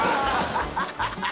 ハハハハ！